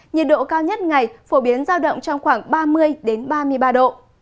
nhiệt độ cao nhất ngày phổ biến dao động trong khoảng ba mươi đến ba mươi ba độ